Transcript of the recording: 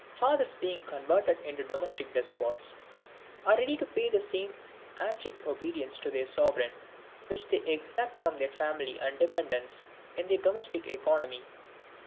Fathers being converted into domestic despots, are ready to pay the same abject obedience to their sovereign which they exact from their family and dependants in their domestic economy."